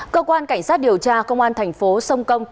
cơ quan cảnh sát điều tra công an thành phố sông công